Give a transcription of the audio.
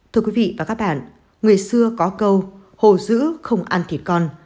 thưa quý vị và các bạn người xưa có câu hồ giữ không ăn thịt con